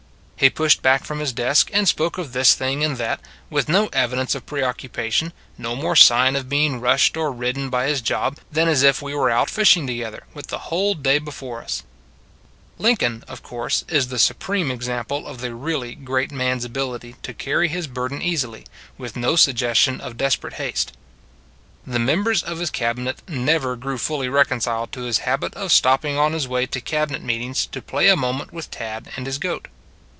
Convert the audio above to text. He pushed back from his desk and spoke of this thing and that, with no evi dence of preoccupation, no more sign of being rushed or ridden by his job, than as if we were out fishing together, with the whole day before us. Are You Industrious? 65 Lincoln, of course, is the supreme exam ple of the really great man s ability to carry his burden easily, with no suggestion of desperate haste. The members of his Cabinet never grew fully reconciled to his habit of stopping on his way to Cabinet meetings to play a mo ment with Tad and his goat.